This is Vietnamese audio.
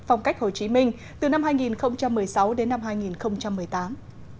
phong cách hồ chí minh từ năm hai nghìn một mươi sáu đến năm hai nghìn một mươi tám